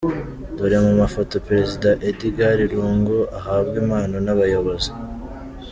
Dore mu mafoto Perezida Edigari Lungu ahabwa impano n’abayobozi